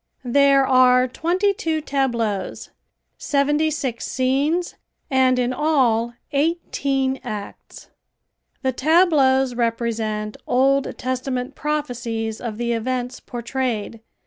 There are twenty two tableaus; seventy six scenes and in all eighteen acts. The tableaus represent Old Testament prophecies of the events portrayed.